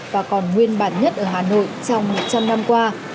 và còn nguyên bản nhất ở hà nội trong một trăm linh năm qua